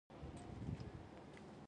ما په هغه کې یو زړور کوچنی سوداګر ولید